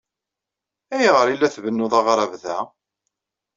Ayɣer ay la tbennuḍ aɣrab da?